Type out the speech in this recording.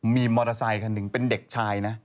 มีมอเตอร์ไซคันหนึ่งเป็นเด็กชายนะ